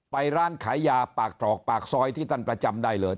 ไปร้านขายยาปากตรอกปากซอยที่ท่านประจำได้เลย